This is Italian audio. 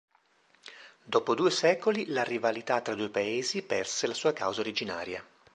Dopo due secoli, la rivalità tra i due paesi perse la sua causa originaria.